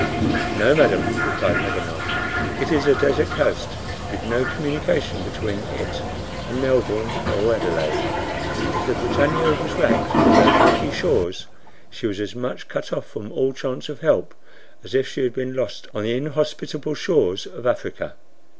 "No, madam," replied Paganel; "it is a desert coast, with no communication between it and Melbourne or Adelaide. If the BRITANNIA was wrecked on those rocky shores, she was as much cut off from all chance of help as if she had been lost on the inhospitable shores of Africa."